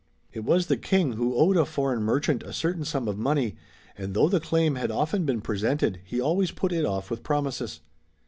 It was the King, who owed a foreign merchant a certain sum of money, and though the claim had often been presented, he always put it off with promises.